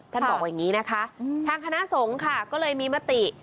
บอกว่าอย่างนี้นะคะทางคณะสงฆ์ค่ะก็เลยมีมติ